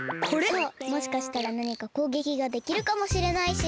そうもしかしたらなにかこうげきができるかもしれないし。